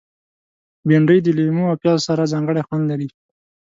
بېنډۍ د لیمو او پیاز سره ځانګړی خوند لري